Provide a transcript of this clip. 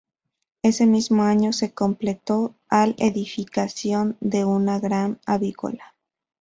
Ese mismo año se completó al edificación de una granja avícola.